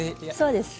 そうです。